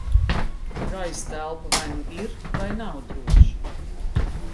Gaisa telpa vai nu ir, vai nav droša.